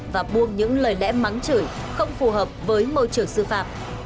và buông những lời lẽ mắng chửi không phù hợp với môi trường sư phạm